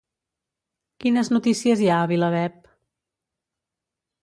Quines notícies hi ha a Vilaweb?